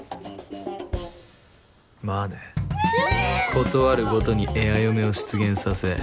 事あるごとにエア嫁を出現させ。